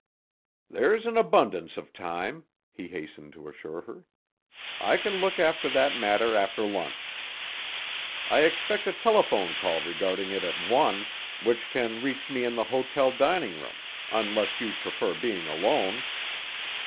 "There's an abundance of time," he hastened to assure her. "I can look after that matter after lunch. I expect a telephone call regarding it at one, which can reach me in the hotel dining room unless you prefer being alone."